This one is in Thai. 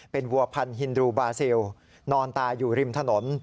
เป็นวัวพันธินรูบาซิลนอนตายอยู่ริมถนน